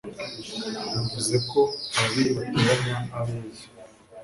Mvuzeko Ababiri bateranya abeza.